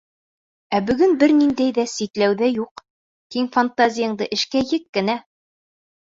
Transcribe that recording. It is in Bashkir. Ә бөгөн бер ниндәй сикләү ҙә юҡ, киң фантазияңды эшкә ек кенә.